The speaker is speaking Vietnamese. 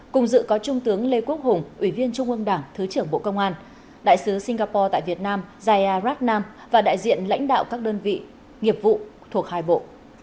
cùng dự có trung tướng lê quốc hùng ủy viên trung ương đảng thứ trưởng bộ công an đại sứ singapore tại việt nam zaya ratnam và đại diện lãnh đạo các đơn vị nghiệp vụ thuộc hai bộ